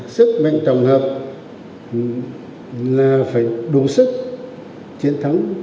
sức mạnh tổng hợp là phải đủ sức chiến thắng